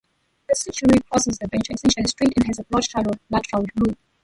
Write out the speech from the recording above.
The suture crosses the venter essentially straight and has a broad, shallow, lateral lobe.